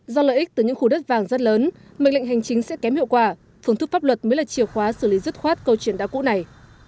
do lợi ích từ những khu đất vàng rất lớn mệnh lệnh hành chính sẽ kém hiệu quả phương thức pháp luật mới là chiều khóa xử lý dứt khoát câu chuyện đã cũ này